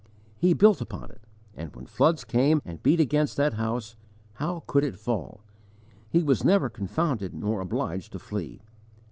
He built upon it, and, when floods came and beat against that house, how could it fall! He was never confounded nor obliged to flee.